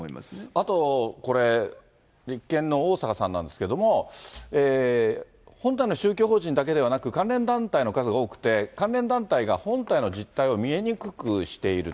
あと、これ、立憲の逢坂さんなんですけれども、本体の宗教法人だけではなく、関連団体の数が多くて、関連団体が本体の実態を見えにくくしている。